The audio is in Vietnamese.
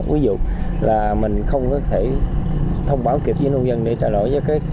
ví dụ là mình không có thể thông báo kịp với nông dân để trả lời cho các quản lý